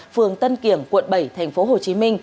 phường tân kiểng quận bảy tp hcm